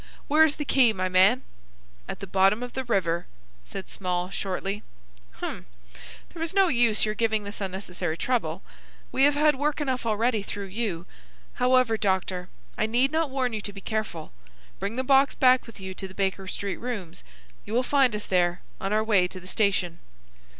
Where is the key, my man?" "At the bottom of the river," said Small, shortly. "Hum! There was no use your giving this unnecessary trouble. We have had work enough already through you. However, doctor, I need not warn you to be careful. Bring the box back with you to the Baker Street rooms. You will find us there, on our way to the station."